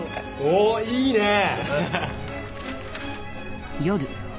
おおいいねー。